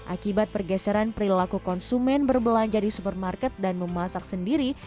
akibat pergeseran perilaku konsumen berbelanja di supermarket dan memasak sendiri